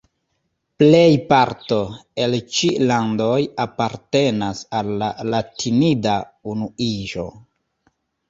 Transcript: Plejparto el ĉi landoj apartenas al la Latinida Unuiĝo.